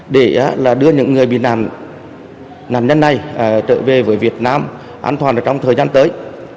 để đưa những người bị nạn nhân này trở về với việt nam an toàn trong thời gian tới